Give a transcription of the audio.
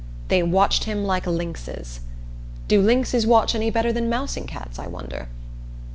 They watched him like lynxes. (Do lynxes watch any better than mousing cats, I wonder!)